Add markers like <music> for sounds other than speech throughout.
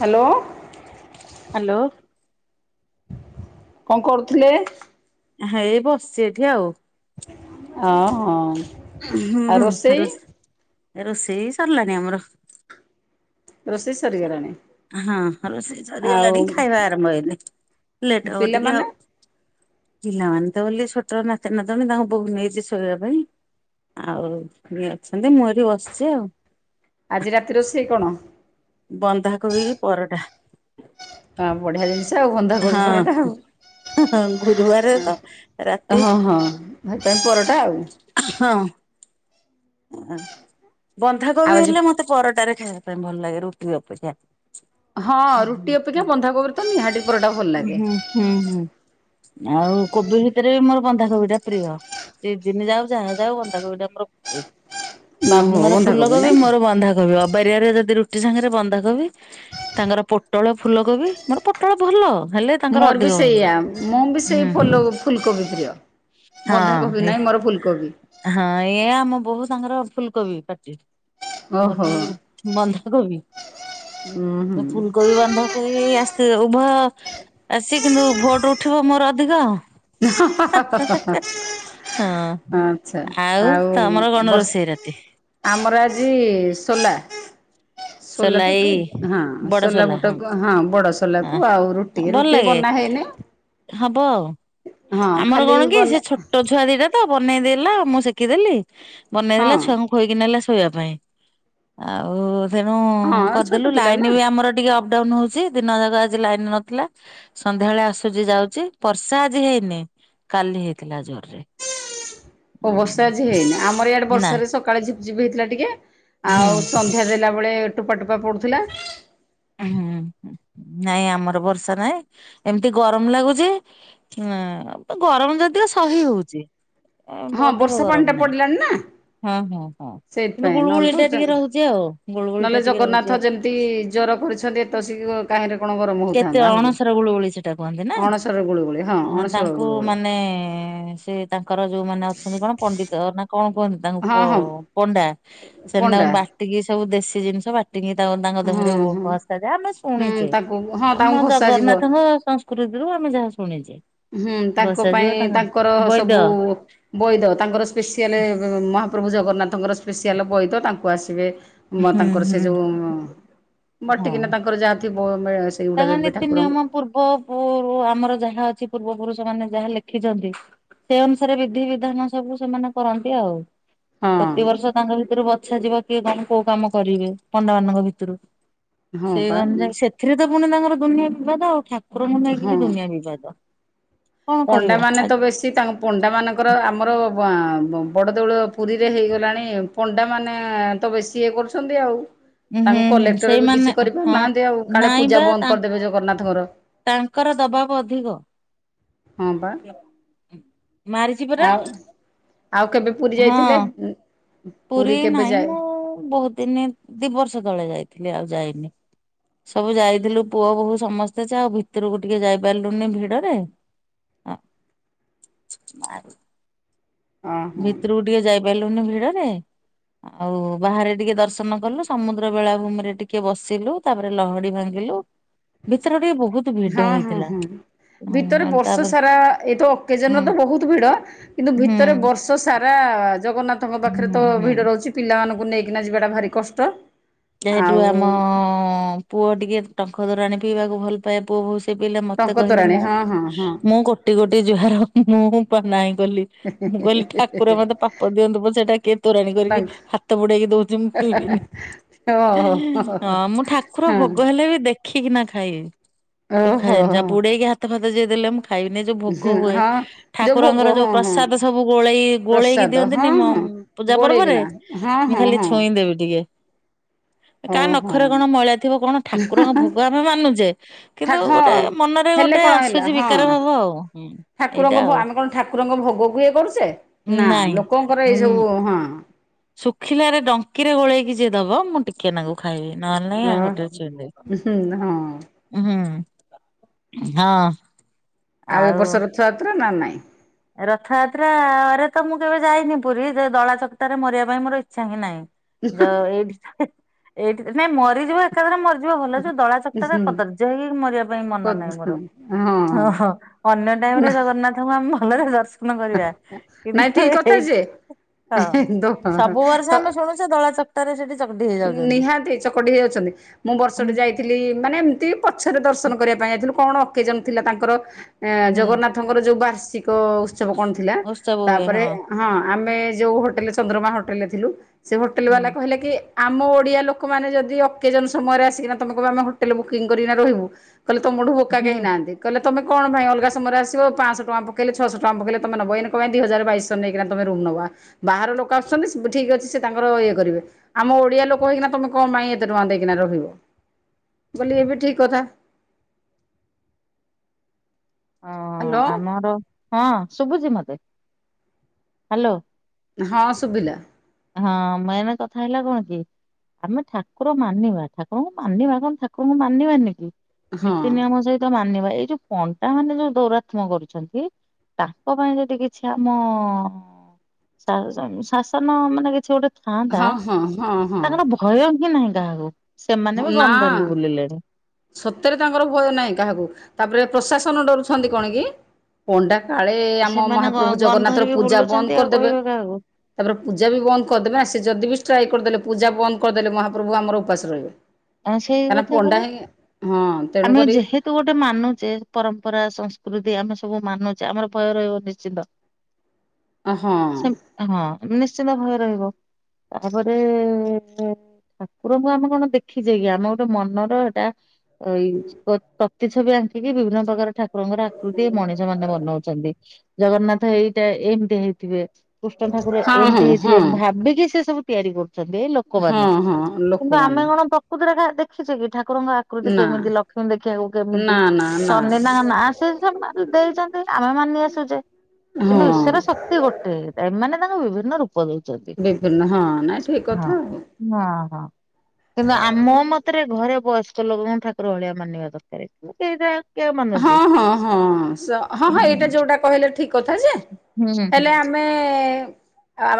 Hello. Hello. କଣ କରୁଥିଲେ? ହେଇ ବସିଛି ଏଠି ଆଉ। ହଁ ହଁ। ହୁଁ ଆଉ ହୁଁ ରୋଷେଇ ରଷ ରୋଷେଇ ହେଇ ସରିଲାଣି ଆମର। ରୋଷେଇ ସରି ହଁ ରୋଷେଇ ଆଉ ସରିଗଲାଣି ଖାଇବା ଆରମ୍ଭ ହେଇନି। ଲେଟ ହବ ଟିକେ ପିଲାମାନେ ଆଉ। ପିଲାମାନେ ତ ବୋଲି ଛୋଟ ନାତି ନାତୁଣୀ ତାଙ୍କୁ ବୋଉ ନେଇଛି ଶୋଇବା ପାଇଁ ଆଉ ଏ ଅଛନ୍ତି ମୁଁ ଏଠି ବସିଛି ଆଉ। ଆଜି ରାତି ରୋଷେଇ କଣ? ବନ୍ଧାକୋବି ପରଠା। ହଁ ବଢ଼ିଆ ଜିନିଷ ଆଉ ବନ୍ଧାକୋବି ହଁ ପରଠା ଆଉ। ହଁ ଗୁରୁବାରେ ତ ରାତି ହଁ ହଁ ପରଠା ଆଉ। ହଁ। ବନ୍ଧାକୋବି ଆଜି ହେଲେ ମତେ ପରଟାରେ ଖାଇବା ପାଇଁ ଭଲ ଲାଗେ ରୁଟି ଅପେକ୍ଷା ହଁ ରୁଟି ଅପେକ୍ଷା ହୁଁ ବନ୍ଧାକୋବିରେ ତ ନିହାତି ପରଠା ଭଲ ଲାଗେ। ହୁଁ ହୁଁ। ଆଉ କୋବି ଭିତରେ ବି ମୋର ବନ୍ଧାକୋବି ଟା ପ୍ରିୟ। ଦି ଦିନ ଦିନେ ଯାଉ ଯାହା ଯାଉ ବନ୍ଧାକୋବି ପୁରା ପ୍ରିୟ ଓହୋ ବାବୁଙ୍କର ବନ୍ଧାକୋବି ଫୁଲକୋବି ନାଇଁ କି? ମୋର ବନ୍ଧାକୋବି ଅବାରିଆରେ ଯଦି ରୁଟି ସାଙ୍ଗରେ ବନ୍ଧାକୋବି ତାଙ୍କର ପୋଟଳ ଫୁଲକୋବି ମୋର ପୋଟଳ ଭଲ ହେଲେ ତାଙ୍କର ମୋର ବି ଅଧିକ ଭଲ। ସେଇଆ ମୁଁ ବି ସେଇ ହୁଁ ଫୁଲ ଫୁଲକୋବି ପ୍ରିୟ। ବନ୍ଧାକୋବି ହଁ। ନାଇଁ ମୋର ଫୁଲକୋବି ହଁ ଏଇ ଆମ ବହୁ ସାଙ୍ଗର ଫୁଲକୋବି ପାଟି ମୋର ଓହୋ ହେ ବନ୍ଧା କୋବି ଉଁ ଫୁଲକୋବି ବନ୍ଧା ନେଇକି ଆସିବେ ଉଭୟ ଆସି କିନ୍ତୁ ଭୋଟ ଉଠିବ ମୋର ଅଧିକ ଆଉ। ହଁ। <unintelligible> ଆଚ୍ଛା ଆଉ ତମର କଣ ରୋଷେଇ ବର୍ଷା ରାତି ଆମର ଆଜି ସୋଲା। ସୋଲା ତରକାରୀ ହଁ ସୋଲା ବୁଟକୁ ହଁ ବଡ଼ ସୋଲାକୁ ଆଉ ହଁ ରୁଟି ଭଲ ରୁଟି ଲାଗେ ବନା ହେଇନି ହବ ଆଉ ହଁ ଆମର ଖାଲି କଣ କି ସେ ବନେ ଛୋ ଛୋଟ ଛୁଆ ଦିଟା ତ ବନେଇଦଲା ମୁଁ ଶିଖିଦେଲି ବନେଇ ଦେଲା ହଁ ଛୁଆଙ୍କୁ ଖୋଇକି ନେଲା ଶୋଇବା ପାଇଁ ଆଉ ତେଣୁ ହଁ ଛୋଟ କରିଦେଲୁ ପିଲା ନା ଲାଇନ ବି ଆମର ଟିକେ ଅପ୍ ଅପ୍ ଡାଉନ ହଉଛି ଦିନ ଯାକ ଆଜି ଲାଇନ ନଥିଲା। ସନ୍ଧ୍ୟାବେଳେ ଆସୁଛି ଯାଉଛି ବର୍ଷା ଆଜି ହେଇନି କାଲି ହେଇଥିଲା ଜୋର ରେ। ଅ ବର୍ଷା ଆଜି ହେଇନି ଆମର ଇଆଡ଼େ ନାଇଁ ବର୍ଷାରେ ସ ସକାଳେ ଝିପି ଝିପି ହେଇଥିଲା ଟିକେ ହୁଁ ଆଉ ସନ୍ଧ୍ୟା ଦେଲା ବେଳେ ଟୋପା ଟୋପା ପଡୁଥିଲା। ହୁଁ ନାଇଁ ଆମର ବର୍ଷା ନାହିଁ ଏମିତି ଗରମ ଲାଗୁଛି ନା ଗରମ ଯଦି ସହି ହଉଛି। ଅ ହଁ ଅଧିକ ବର୍ଷା ପାଣି ଟା ଗରମ ନାହିଁ। ପଡିଲାଣି ନା ହଁ ହଁ ହଁ କିନ୍ତୁ ସେଇଥିପାଇଁ ନହେଲେ ଗୁଳୁଗୁଳି ତ ଟା ଟିକେ ରହୁଛି ଆଉ ଗୁଳଗୁଳି ଟା ଟିକେ ରହୁଛି ଆଉ ଅତି ଜର କରିଛନ୍ତି ତସିକି କାହିରେ କଣ ଗରମ କେତେ ହଉଥାନ୍ତା ଆହୁରି ଅଣସର ଗୁଳୁଗୁଳି ସେଟା କୁହନ୍ତି ନା। ଅଣସ ଗୁଳୁଗୁଳି ଅଣସର ତାଙ୍କୁ ଗୁଳୁଗୁଳି ମାନେ ସେ ତାଙ୍କର ଯେଉମାନେ ଅଛନ୍ତି କଣ ପଣ୍ଡିତ ନା କଣ କୁହନ୍ତି ହଁ ତାଙ୍କୁ ହଁ ପଣ୍ଡା ସେମିତି ପଣ୍ଡା ତାଙ୍କୁ ବାଟି ବାଟିକି ସବୁ ଦେଶୀ ଜିନଷ ବାଟିକି ତାଙ୍କ ତାଙ୍କ ହଁ ଦେହରେ ଓ ହଁ ଘସାଯାଏ ଆମେ ହୁଁ ଶୁଣିଚେ ତାକୁ ହଁ ତାଙ୍କୁ ଆମ ଘଷା ଯିବ ଜଗନ୍ନାଥଙ୍କ ସଂସ୍ କୃତିରୁ ଆମେ ଯାହା ଶୁଣିଚେ। ହୁଁ ତାଙ୍କ ପାଇଁ ତାଙ୍କର ସବୁ ବଇଦ ତାଙ୍କର ସ୍ପେଶସିଆଲେ ଅ ମହାପ୍ରଭୁ ଜଗନ୍ନାଥଙ୍କର ସ୍ପେଶସିଆଲ ବଈଦ ତାଙ୍କୁ ଆସିବେ ବା ହୁଁ ତାଙ୍କର ସେ ହୁଁ। ଯୋଉ ହଁ ବାଟିକିନା ତାଙ୍କର ଯାହାଥିବ ମେ ତାଙ୍କ ନୀତି ନିୟମ ପୂର୍ବ ପୂରୁ ଆମର ଯାହା ଅଛି ପୂର୍ବ ପୁରୁଷ ମାନେ ଯାହା ଲେଖିଚନ୍ତି ସେ ଅନୁସାରେ ବିଧି ବିଧାନ ସବୁ ସେମାନେ କରନ୍ତି ଆଉ। ହଁ ପ୍ରତିବର୍ଷ ତାଙ୍କ ଭିତରୁ ଇଛା ଯିବ କିଏ କଣ କୋଉ କାମ କରିବେ ପଣ୍ଡାମାନଙ୍କ ଭିତରୁ ହଁ ସେଇ ପା ଅନୁଯାୟୀ ପୁଣି ତାଙ୍କର ଦୁନିଆ ବିବାଦ ଆଉ ଠାକୁରଙ୍କୁ ନେଇକି ବି ହଁ ଦୁନିଆ ବିବାଦ। କଣ କରିବ ପଣ୍ଡା ମାନେ ଆ ତ ବେଶୀ ସେ ତାଙ୍କ ପଣ୍ଡାମାନଙ୍କର ଆମର ବ ଆଁ ବଡ଼ଦେଉଳ ପୁରୀରେ ହେଇଗଲାଣି ପଣ୍ଡା ମାନେ ତ ବେଶୀ ଇଏ କରୁଛନ୍ତି ଆଉ। ହୁଁ ତାଙ୍କୁ ହୁଁ କଲେକ୍ଟର ବି ସେଇମାନେ କିଛି ହଁ କରିପାରୁନାହାନ୍ତି ଆଉ କାଳେ ନାଇଁ ପୂଜା ବା ବନ୍ଦ କରିଦେବେ ଜଗନ୍ନାଥଙ୍କର। ତାଙ୍କର ଦବାବ ଅଧିକ। ହଁ ବା ମାରିଛି ପରା ଆଉ ଆଉ କେବେ ପୁରୀ ହଁ ଯାଇଥିଲେ? ପୁରୀ କେବେ ନାହିଁ ଯାଏ ମୁଁ ବହୁତ ଦିନ ଦି ବର୍ଷ ତଳେ ଯାଇଥିଲି ଆଉ ଯାଇନି। ସବୁ ଯାଇଥିଲୁ ପୁଅ ବୋହୂ ସମସ୍ତେ ଯେ ଆଉ ଭିତରକୁ ଟିକେ ଯାଇପାରିଲୁନି ଭିଡରେ। <inaudible> ବା <unintelligible> ର ଓହୋ ଭିତୁରୁକୁ ଟିକେ ଯାଇ ପାରିଲୁନି ଭିଡରେ। ଆଉ ବାହାରେ ଟିକେ ଦର୍ଶନ କଲୁ ସମୁଦ୍ର ବେଳାଭୂମି ରେ ଟିକେ ବସିଲୁ। ତାପରେ ଲହଡି ଭାଙ୍ଗିଲୁ ଭିତର ଟିକେ ବହୁତ ଭିଡ ହଁ ହଁ ହେଇଥିଲା ହଁ। ଭିତରେ ଉଁ ବର୍ଷ ତାପରେ ସାରା ଏଇତ ଅକେଜନ୍ ହୁଁ ରେ ତ ବହୁତ ଭିଡ କିନ୍ତୁ ହୁଁ ଭିତରେ ବର୍ଷ ର୍ଷ ସାରା ଜଗନ୍ନାଥଙ୍କ ପାଖରେ ହୁଁ ତ ହୁଁ। ଭିଡ଼ ରହୁଛି ପିଲାମାନଙ୍କୁ ନେଇକିନା ଯିବାଟା ଭାରି କଷ୍ଟ। କେ ହେଠୁ ଆମ ଆଉ ପୁଅ ଟିକେ ଟଙ୍କ ତୋରାଣି ପିଇବାକୁ ଭଲ ପାଏ ପୁଅ ବହୁତ। ସେ ପିଇଲେ ମତେ ଟଙ୍କ କହିଲେ ତୋରାଣୀ ମୁଁ ହଁ ହଁ ହଁ ମୁଁ ଗୋଟି ଗୋଟି ଜୁହାର ମୁଁ ପା ନାହିଁ କଲି। ମୁଁ କହିଲି ଠାକୁର ମତେ ପାପ ଦିଅନ୍ତୁ ପଛେ ଏଟା କିଏ ତୋରାଣୀ କରିକି। ତାଙ୍କ ହାତ ବୁଡେଇକି ଦଉଛି ମୁଁ ପି ବିନି। ଓହୋ ହଁ ମୁଁ ଠାକୁର ହଁ ଭୋଗ ହେଲେ ବି ଦେ ଦେଖିକି ନା ଖାଇବି ସୁଖା ଓହୋ ଜିନିଷ ଆଉ ବୁଡେଇକି ହାତ ଫାତ ଯିଏ ଦେଲେ ମୁଁ ଖାଇବିନି ଏ ଯୋଉ ଭୋଗ ହୁଏ ହଁ ଯୋଉ ଭୋଗ ଠାକୁରଙ୍କର ଯୋଉ ହଁ ହଁ ପ୍ରସାଦ ସବୁ ଗୋଳେଇ ଗୋଳେଇକି ପ୍ରସାଦ ହଁ ଦିଅନ୍ତିନି ମୁଁ। ହଁ ପୂଜା ପର୍ବରେ ଗୋଳେଇକିନା ହଁ ମୁଁ ହଁ ଖାଲି ହଁ ଛୁଇଁ ଦେବି ଟିକେ। କା ହଁ ହଁ ନଖରେ କଣ ମଇଳା ଥିବ କଣ ଠାକୁରଙ୍କ ଭୋଗ ଆମେ ମାନୁଛେ ଠା କିନ୍ତୁ ଗୋଟେ। ହଁ ମନରେ ହେଲେ ଗୋଟେ କଣ ହେଲା ଆସୁଛି ହଁ ବିକାର ଭାବ ଆଉ ହୁଁ ଠାକୁରଙ୍କ ଏଇଟା ଆଉ। ଆମେ କଣ ଠାକୁରଙ୍କ ଭୋଗକୁ ଇଏ କରୁଛେ ନା ନାଇଁ ଲୋକଙ୍କର ଏଇ ସବୁ ହଁ। ଶୁଖିଲା ରେ ଡଙ୍କିରେ ଗୋଳେଇକି ଯିଏ ଦବ ମୁଁ ଟି ଟିକେନାକୁ ଖାଇବି ନହେଲେ ନାଇଁ ଆଙ୍ଗୁଠି ରେ ଛୁଇଁ ଦେବି। ହୁଁ ହଁ ହୁଁ ହଁ। ଆଉ ଏ ବର୍ଷ ରଥଯାତ୍ରା ନା ନାହିଁ। ରଥଯାତ୍ର ରେ ତ ମୁଁ କେବେ ଯାଇନି ପୁରୀ ସେ ଦଳା ଚକଟାରେ ମରିବା ପାଇଁ ମୋର ଇଚ୍ଛା ହିଁ ନାହିଁ। ଯ ଏଇଠି ଏଇଠି ତ ନାଇ ମରିଯିବା ଏକାଥରେ ମରିଯିବ ଭଲ ଯୋଉ ଦଳା ଚକଟାରେ ହୁଁ କଦର୍ଯ୍ୟ ହେଇକି ମରିବା ପାଇଁ ମନ ହଁ ନାହିଁ ମୋର। ହଁ ଓହୋ ଅନ୍ୟ ଟାଇମ ନା ରେ ଜଗନ୍ନାଥଙ୍କୁ ଆମେ ଭଲରେ ଦର୍ଶ ନାଇଁ ଠିକ କଥା ଯେ। ହଁ। ଦ ସବୁ ବର୍ଷ ତ ଆମେ ଶୁଣୁଛେ ଦଳା ଚକଟାରେ ସେଠି ଚକଟି ହେଇଯାଉଛନ୍ତି। ନିହାତି ଚକଟି ହେଇଯାଉଛନ୍ତି। ମୁଁ ଉଁ ବର୍ଷଟେ ଯାଇି ଥିଲି ମାନେ ଏମିତି ପଛରେ ଦର୍ଶନ କରିବା ପାଇଁ ଯାଇଥିଲୁ କଣ ଅକେଜନ ଥିଲା ତାଙ୍କର ଏ ହୁଁ ଜଗନ୍ନାଥ ତାଙ୍କର ଯୋଉ ବାର୍ଷିକ ଉତ୍ସବ କଣ ଥିଲା ଉତ୍ସବ ହୁଏ ତାପରେ ହଁ ଆମେ ଯୋଉ ହୋଟେଲ ଚନ୍ଦ୍ରମା ହୋଟେଲରେ ଥିଲୁ ସେ ହୋଟେଲ ବାଲା ହୁଁ କହିଲେ କି ଆମ ଓଡିଆ ଲୋକମାନେ ଯଦି ଅକେଜନ ସମୟରେ ଆସିକିନା ତମେ କହିବ ଆମେ ହୋଟେଲ ବୁକିଂ କରିକିନା ରହିବୁ। କହିଲେ ତମଠୁ ବୋକା ହୁଁ। କେହି ନାହାନ୍ତି କହିଲେ ତମେ କଣ ପାଇଁ ଅଲଗା ସମୟରେ ଆସିବ ପାଞ୍ଚଶହ ଟା ପକେଇଲେ ଛଅଶ ଫମ ପକଇଲେ ତମେ ନବ ଏଇନେ କଣ ପାଇଁ ଦି ହଜାର ବାଇଶହ ନେଇକି ତମେ ରୁମ ନେବ। ବାହାର ଲୋକ ଆସୁଛନ୍ତି ଠିକ ଅଛି ସେ ତାଙ୍କର ଇଏ କରିବେ। ଆମ ଓଡିଆ ଲୋକ ହେଇକିନା ତମେ କମ ପାଇଁ ଏତେ ଟଙ୍କା ଦେଇକିନା ରହିବ ବୋଲି ଏ ବି ଠିକ କଥା। ହଁ ହ୍ୟାଲୋ ଆମର, ହଁ ଶୁଭୁଛି ମତେ। ହ୍ୟାଲୋ। ହଁ ଶୁବିଲା। ହଁ ମେନ କଥା ହେଲା କଣ କି ଆମେ ଠାକୁର ମାନିବା ଠାକୁରଙ୍କୁ ମାନିବା କଣ ଠାକୁରଙ୍କୁ ମାନିବାନି କି ହଁ ନୀତି ନିୟମ ସହିତ ମାନିବା ଏଇ ଯୋଉ ପଣ୍ଡାମାନେ ଯୋଉ ଦୁରାତ୍ମ କରୁଛନ୍ତି ତାଙ୍କ ପାଇଁ ଯଦି କିଛି ଆମ ଅ ଶା-ଶା-ଶାସନ ମାନ୍ କିଛି ଗୋଟେ ଥାଆନ୍ତା ହଁ ହଁ ହଁ ତାଙ୍କର ହଁ ଭୟ ହିଁ ନାହିଁ କାହାକୁ। ସେମାନେ ବି ନା ଗନ୍ ଧରିକି ବୁଲିଲେଣି। ସତରେ ତାଙ୍କର ଭୟ ନାହିଁ କାହାକୁ ତାପରେ ପ୍ରଶାସନ ଡରୁଛନ୍ତି କଣ କି ପଣ୍ଡା କାଳେ ଆମ ସେମାନେ ମହାପ୍ରଭୁ ଗ- ଗନ୍ ଜଗନ୍ନାଥର ଧରିକି ପୂଜା ବୁଲୁଛନ୍ତି ବନ୍ଦ ଆଉ କରିଦେବେ। କହିବେ କାହାକୁ ତାପରେ ପୂଜା ବି ବନ୍ଦ କରିଦେବେ ନା ସେ ଯଦି ବି ଷ୍ଟ୍ରାଇକ୍ କରିଦେଲେ ପୂଜା ବନ୍ଦ କରିଦେଲେ ମହାପ୍ରଭୁ ଆମର ଉପାସ ରହିବେ। ଆ ସେଇ କାହିଁକିନା କଥା ପଣ୍ଡା ପରା ହିଁ ହଁ ଆମେ ତେଣୁକରି ଯେହେ ତୁ ଗୋଟେ ମାନୁଚେ ପରମ୍ପରା ସଂସ୍କୃତି ଆମେ ସବୁ ମାନୁଚେ ଆମର ଭୟ ରହିବ ନିଶ୍ଚିନ୍ତ। <inaudible> ସେମ୍ ହଁ ନିଶ୍ଚିନ୍ତ ଭୟ ରହିବ। ତାପରେ ଏ ଠାକୁରଙ୍କୁ ଆମେ କଣ ଦେଖ୍ ଖିଚେକି ଆମ ଗୋଟେ ମନର ହେଟା ଅ ଏଇ ପ୍ର ପ୍ରତିଛବି ଆଙ୍କିକି ବିଭିନ୍ନ ପ୍ରକାର ଠା ଠାକୁରଙ୍କର ଆକୃତି ମଣିଷ ମାନେ ବନୋଉଚନ୍ତି ଜଗନ୍ନାଥ ଏଇଟା ଏମତି ହେଇଥିବେ। କୃଷ୍ଣ ଠାକୁର ଏମତି ହେଇଥିବେ ହଁ ହଁ ଭାବିକି ସେ ସବୁ ତିଆରି କରୁ ଚନ୍ତି ଏଇ ଲୋକମାନେ ହଁ ହଁ କିନ୍ତୁ ଲୋକମାନେ ଆମେ କଣ ପ୍ରକୃତରେ ଠା ଦେଖିଚେ କି ଠାକୁରଙ୍କ ଆ ଆକୃତି ନା କେମିତି ଲକ୍ଷ୍ମୀ ଦେଖିବାକୁ ନା କେମିତି? ନା ନା ସନି ତାଙ୍କ ନାଁ ସେଇ ସମୟରେ ଦେଇଚନ୍ତି ଆମେ ମାନି ଆସିଚେ। ହଁ କିନ୍ତୁ ଈଶ୍ୱର ଶକ୍ତି ଗୋଟେ ଏମାନେ ତାଙ୍କ ବିଭିନ୍ନ ରୂ ପ ଦେଇଚନ୍ତି। ବିଭିନ୍ନ ହଁ ନାଇଁ ଠିକ କଥା ଆଉ। ନା ହଁ। ଆ ମୋ ମତରେ ଘରେ ବୟସ୍କ ଲୋକଙ୍କୁ ଠାକୁର ଭଳିଆ ମାନିବା ଦରକାରେ କିନ୍ତୁ ସେଇଟା ହଁ ହଁ ହଁ ସ ହଁ ହଁ ଏଇଟା ହୁଁ ଯୋଉଟା କହିଲେ ଠିକ୍ କଥା ଯେ ହେଲେ ହୁଁ ଆମେ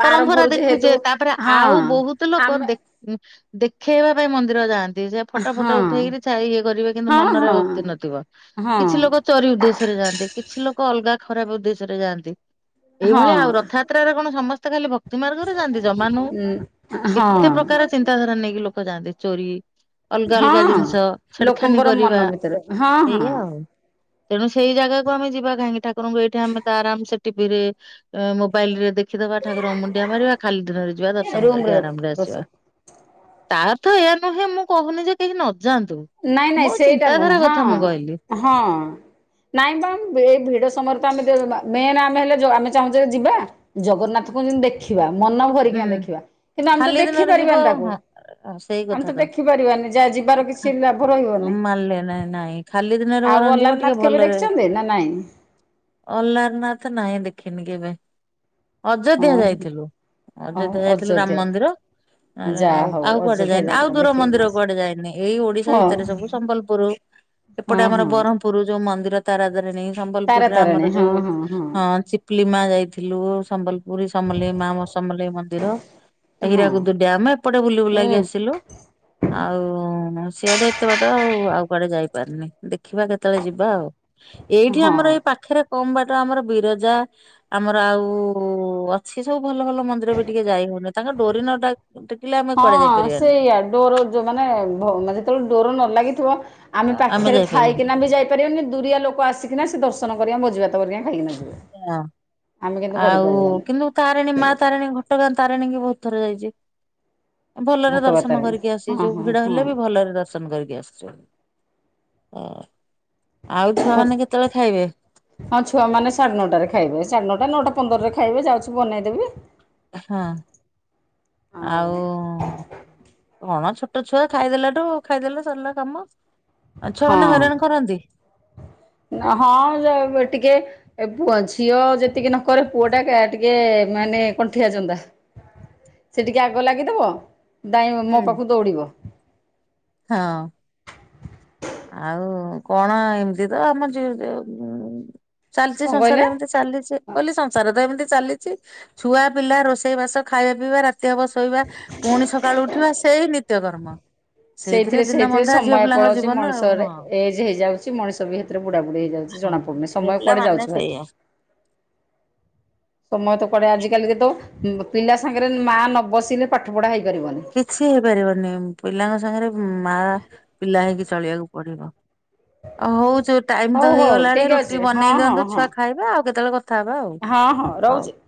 ପରମ୍ପରା ଆରମ୍ଭରୁ ଯେହେତୁ ଦେଖୁଚେ ତାପରେ ହଁ ଆଉ ବୋହୁତୁ ଲୋକ ଆମେ ଦେ ଉଁ ଦେଖେଇ ହବା ପାଇଁ ମନ୍ଦିର ଯାଆନ୍ ଯେ ଫଟ ହଁ ଫଟ ଉଠେଇକିରି ଛା ଇଏ କରିବେ କିନ୍ତୁ ହଁ ମନରେ ହଁ ଭକ୍ତି ନଥିବ ହଁ କିଛି ଲୋକ ଚୋରି ଉଦ୍ଦେଶ୍ୟରେ ଯାଆନ୍ତି କିଛି ଲୋକ ଅଲଗା ଖରାପ ଉଦ୍ଦେଶ୍ୟରେ ଯାଆନ୍ତି ଏଇଭଳିଆ ହଁ ଆଉ ରଥଯା ଯାତ୍ରାରେ କଣ ସମସ୍ତେ ଖାଲି ଭକ୍ତି ମାର୍ଗରେ ଯାଆନ୍ତି ଜମା ନୁହୁଁ ହଁ କେତେ ପ୍ରକାର ଚିନ୍ତାଧାରା ନେଇକି ଲୋକ ଯାଆନ୍ତି ଚୋରି ଅଲଗା ଅଲଗା ହଁ ଜିନିଷ ଛେଡଖାନି ଲୋକଙ୍କର ମନ କରିବା ଭିତରେ ହଁ ହଁ ଏଇଆ ଆଉ। ତେଣୁ ସେଇ ଜାଗାକୁ ଆମେ ଯିବା କାହିଁକି ଠାକୁରଙ୍କୁ ଏଇଠି ଆମେ ତ ଆରାମ୍ ସେ ଟିଭିରେ ଏ ମୋବାଇଲରେ ଦେଖିଦବା ଠାକୁରଙ୍କୁ ମୁଣ୍ଡିଆ ମାରିବା ଖାଲି ଦିନରେ ଯିବା ଦର୍ଶନ ରୁମରେ କରିକି ଆରାମରେ ଆସିବା। ରୋଷେଇ ତା ଅର୍ଥ ଏୟା ନୁହେଁ ମୁଁ କୋହୁନି ଯେ କେହି ନ ଯାଆନ୍ତୁ। ନାଇଁ ନାଇଁ ମୋ ସେଇଟା ଚିନ୍ତାଧାରା ନୁହୁଁ କଥା ମୁଁ କହିଲି ହଁ ହଁ। ନାଇଁ ପା ଏଇ ଭିଡ ସମୟରେ ପା ଆମେ ଯୋ ମା ମେନେ ଆମେ ହେଲେ ଯୋ ଆମେ ଚାହୁଁଚେ ଯିବା ଜଗନ୍ନାଥଙ୍କୁ ଯେମିତି ଦେଖିବା ମନ ଭରିକିନା ହୁଁ। ଦେଖିବା କିନ୍ତୁ ଆମେ ତ ଖାଲି ଦିନରେ ଯିବ ଦେଖିପାରିବାନି ତାକୁ। ହଁ ସେଇ ଆମେ କଥା ତ ଦେଖିପାରିବାନି ଯାହା ଯିବାର କିଛି ଲାଭ ରହିବନି ମାନିଲେ ନାଇଁ ନାଇଁ ଖାଲି ଦିନରେ ଆଉ ବରଂ ଅଲାରନାଥ କେବେ ଦେଖିଛନ୍ତି ନା ନାଇଁ? ଅଲ୍ଲାରନାଥ ନାହିଁ ଦେଖିନି କେବେ, ଅଯୋଧ୍ୟା ହଁ ଯାଇଥିଲୁ। ହଉ ଅଯୋଧ୍ୟା ଯାଇଥିଲୁ ରାମ ଅଯୋଧ୍ୟା ମନ୍ଦିର। ଆ ଯା ଆଉ ହଉ ଆଉ କୁଆଡେ ଅଯୋଧ୍ୟା ଯାଇନି ଆଉ ଯାଇକିନା ଦୂର ଦେଖେଇକିନା ମନ୍ଦିର ଆସିବ। କୁଆଡେ ଯାଇନି ଏଇ ଓଡିଶା ହଁ ଭିତରେ ସବୁ ସମ୍ବଲପୁରୁ ହଁ ଏପଟେ ଆମର ହଁ ବରହ୍ମପୁରୁ ଯୋଉ ମନ୍ଦିର ତାରାତାରିଣୀ। ତାରା ସମ୍ବଲପୁରରେ ତାରିଣୀ ଆମର ହଁ ଯୋଉ ହଁ ହଁ ଚିପିଲିମା ଯାଇଥିଲୁ ସମ୍ବଲପୁରୀ ସମଲେଇ ମା ସମଲେଇ ମନ୍ଦିର ହଁ। ହୀରାକୁଦୁ ଡ୍ୟାମ ଏପଟେ ବୁଲି ହୁଁ ବୁଲାକି ଆସିଲୁ। ଆଉ ସିଆଡେ ଏତେ ବାଟ ଆଉ ଆଉ କୁଆଡେ ଯାଇପାରିନି ଦେଖିବା କେତେବେଳେ ଯିବା ଆଉ। <unintelligible> ଏଇଠି ଆମର ଏଇ ପାଖରେ କମ୍ ବାଟ ଆମର ବିରଜା ଆମର ଆଉ ଅଛି ସବୁ ଭଲ ଭଲ। ମନ୍ଦିର ବି ଟିକେ ଯାଇ ହଉନି ତାଙ୍କ ଡୋରି ନ ଡା ହଁ ସେଇଆ ଡୋର ଯୋଉ ମାନେ ଯେତେବେଳେ ଡୋର ନ ଲାଗିଥିବ। ଆମେ ପାଖେରେ ଥାଇକିନା ବି ଯାଇ ଦୁରିଆ ଲୋକ ଆସିକିନା ସେ ଦର୍ଶନ କରିବା ଭୋଜିଭାତ କରିଵା ଖାଇକିନା ଯିବେ। ହଁ ଆମେ କିନ୍ତୁ ଆଉ କରିପାରିବାନି କିନ୍ତୁ ତାରିଣୀ ମା ତାରିଣୀ ଘଟଗାଁ ତାରିଣୀ କି ବହୁତ ଥର ଯାଇଛି। ଭଲରେ ଘଟଗାଁ ଦର୍ଶନ ତାରିଣୀ କରିକି ହଁ ଆସିିଚୁ ଭିଡ଼ ହେଲେ ବି ହଁ ଭଲରେ ଦର୍ଶ ଦର୍ଶନ କରିକି ଆସୁଛୁ ହୁଁ, ଆଉ ଛୁଆ ହଁ। ମାନେ କେତେବେଳେ ଖାଇବେ? ହଁ ଛୁଆ ମାନ ସାଢେ ନଅଟାରେ ଖାଇବେ ସାଢେ ନଅଟା ନଅଟା ପନ୍ଦରରେ ଖାଇବେ ଯାଉଛି ବନେଇଦେବି। ହଁ ଆଉ। କଣ ଛୋଟ ଛୁଆ ଖାଇଦେଲାଠୁ ଖାଇଦେଲେ ସରିଲା କାମ, ଛୁଆ ମାନେ ହଇରାଣ ହଁ କରନ୍ତି? ହଁ ଟିକେ। ଏ ପୁଅ ଝିଅ ଯେତିକି ନକରେ ପୁଅ ଟା ଟିକେ ମାନେ କଣ୍ଠିଆଜନ୍ଦା। ସେ ଟିକେ ଆଗ ଲାଗିଦବ ଦାଇଁ ହୁଁ। ମୋ ପାଖକୁ ଦୌଡିବ। ହଁ। ଆଉ କଣ ଏମିତି ତ ଆମ <unintelligible> ଚାଲିଚି କଣ କହିଲେ ସଂସାର ଏମିତି ଚାଲିଛି। କହିଲି ସଂସାର ତ ଏମିତି ଚାଲିଛି ଛୁଆ ପିଲା ରୋଷେଇ ବାସ ଖାଇବା ପିଇବା ରା ରାତି ହବ ଶୋଇବା ପୁଣି ସକାଳୁ ଉଠିବା ସେଇ ନିତ୍ୟକର୍ମ। ସେଇଥିରେ ଦିନ ସେଇଥିରେ ବନ୍ଧା ଝିଅ ସମୟ ପିଲାଙ୍କ ପଳଉଛି। ଜୀବନ ଆଉ ହଁ। ମଣିଷରେ ଏଜ୍ ହେଇଯାଉଛି ମଣିଷ ବି ହେଥିରେ ବୁଢା ବୁଢ଼ି ହେଇଯାଉଛି ହଁ। ଜଣା ପଡୁନି ଝିଅ ସମୟ ପିଲା କୁଆଡେ ମାନେ ଯାଉଛି ଭାରି। <unintelligible> ସେଇଆ ସମୟ ତ କୁଆଡେ ଆଜିକାଲିି ଯେ ତ ପିଲା ସାଙ୍ଗରେ ମା ନ ବସିଲେ ପାଠ ପଢା ହେଇପାରିବନି। କିଛି ହେଇପାରିବନି ପିଲାଙ୍କ ସାଙ୍ଗରେ ମା ପିଲା ହେଇକି ଚଳିବାକୁ ପଡିବ। ହଉ ଯଉ ଟାଇମ ହଉ ତ ହଉ ହେଇଗଲାଣି ଠିକ୍ ଅଛି ରୁଟି ହଁ ବନେଇ ହଁ ଦିଅନ୍ତୁ ହଁ ଛୁଆ ଖାଇବେ ଆଉ କେତେବେଳେ କ କଥା ହବା ଆଉ। ହଁ ହଁ ହଉ। ରହୁଛି।